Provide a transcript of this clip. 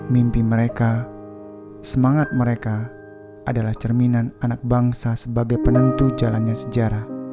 mimpi mereka semangat mereka adalah cerminan anak bangsa sebagai penentu jalannya sejarah